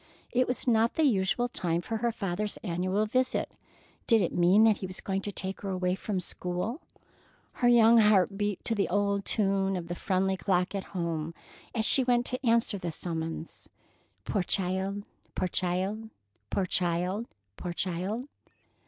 It was not the usual time for her father's annual visit. Did it mean that he was going to take her away from the school? Her young heart beat to the old tune of the friendly clock at home as she went to answer the summons: "Poor child! Poor child! Poor child! Poor child!"